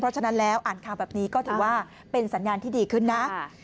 เพราะฉะนั้นแล้วอ่านข่าวแบบนี้ก็ถือว่าเป็นสัญญาณที่ดีขึ้นนะ